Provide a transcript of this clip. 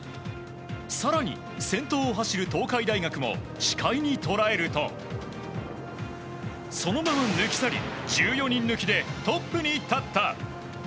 更に先頭を走る東海大学も視界に捉えるとそのまま抜き去り１４人抜きでトップに立った。